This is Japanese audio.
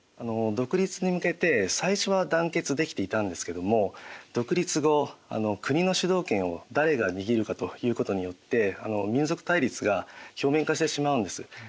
独立に向けて最初は団結できていたんですけども独立後国の主導権を誰が握るかということによって民族対立が表面化してしまうんです。